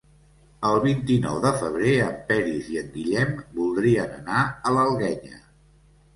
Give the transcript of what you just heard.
El vint-i-nou de febrer en Peris i en Guillem voldrien anar a l'Alguenya.